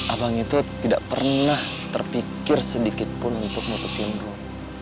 abang itu tidak pernah terpikir sedikitpun untuk memutuskan ruh